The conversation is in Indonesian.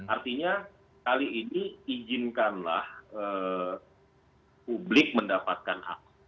artinya kali ini izinkanlah publik mendapatkan akses